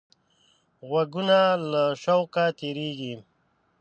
غوږونه له شوقه تیزېږي